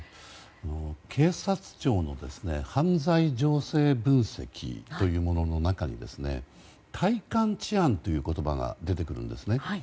警察庁の犯罪情報分析というところの中に体感治安というものが出てくるんですね。